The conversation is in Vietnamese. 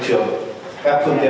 quỹ dọc cho thương tiện